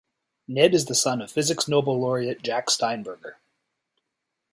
Ned is the son of physics Nobel laureate Jack Steinberger.